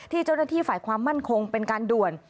เจ้าหน้าที่ฝ่ายความมั่นคงเป็นการด่วน